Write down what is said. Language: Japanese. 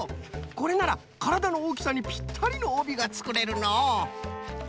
これならからだのおおきさにピッタリのおびがつくれるのう。